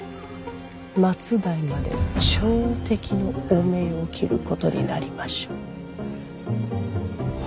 末代まで朝敵の汚名を着ることになりましょう。